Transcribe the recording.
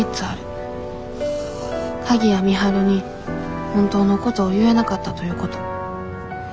鍵谷美晴に本当のことを言えなかったということ。